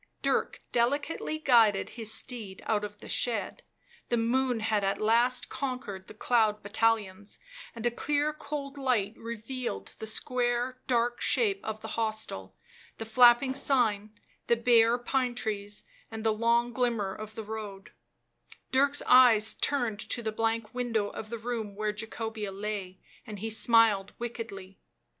Dirk delicately guided his steed out of the shed ; the moon had at last conquered the cloud battalions, and a clear cold light revealed the square dark shape of the hostel, the flapping sign the bare pine trees and the long glimmer of the road ; Dirk's eyes turned to the blank window of the room where Jacobea lay, and he smiled wickedly.